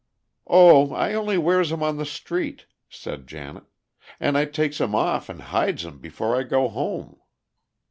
"Oh, I only wears 'em on the street," said Janet, "and I takes 'em off an' hides 'em before I go home."